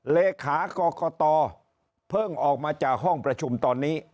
เลขากรกตเพิ่งออกมาจากห้องประชุมตอนนี้